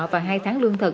và hai tháng lương thực